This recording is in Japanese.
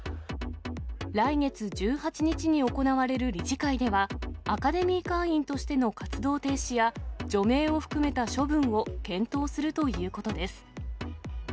来月１８日に行われる理事会では、アカデミー会員としての活動停止や除名を含めた処分を検討するということです。